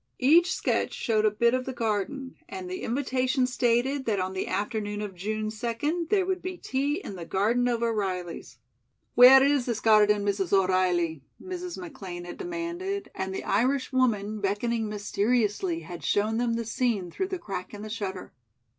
Each sketch showed a bit of the garden, and the invitations stated that on the afternoon of June second there would be tea in the Garden of O'Reilly's. "Where is this garden, Mrs. O'Reilly?" Mrs. McLean had demanded, and the Irish woman, beckoning mysteriously, had shown them the scene through the crack in the shutter.